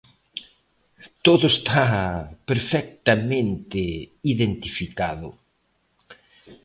Todo está perfectamente identificado.